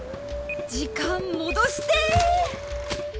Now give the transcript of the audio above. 時間戻してぇ！